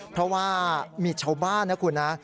เพราะว่ามีชาวบ้านนะคุณนะ